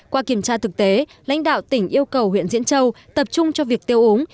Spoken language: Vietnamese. qua kiểm tra thực tế lãnh đạo tỉnh yêu cầu huyện diễn châu tập trung cho việc tiêu úng